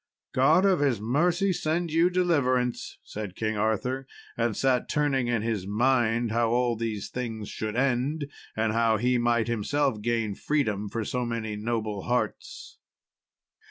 "God of his mercy send you deliverance," said King Arthur, and sat turning in his mind how all these things should end, and how he might himself gain freedom for so many noble hearts.